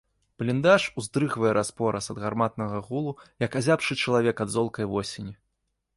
Бліндаж уздрыгвае раз-пораз ад гарматнага гулу, як азябшы чалавек ад золкай восені.